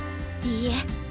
いいえ。